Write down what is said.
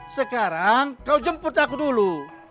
sekarang kau jemput aku dulu